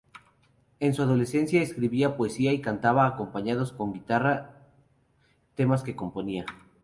En su adolescencia escribía poesías y cantaba, acompañándose con guitarra, temas que componía.